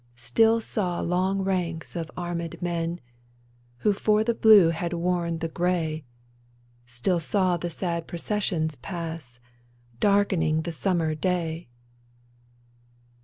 Still saw long ranks of armed men Who for the blue had worn the gray — Still saw the sad processions pass, Darkening the summer day